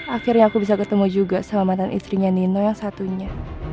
akhirnya aku bisa ketemu juga sama mantan istrinya nino yang satunya